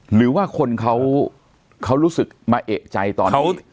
หรือว่าคนเขารู้สึกมาเอกใจตอนนี้